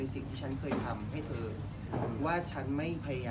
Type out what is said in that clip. อีกทีที่ฉันรู้เท่าก็จะดู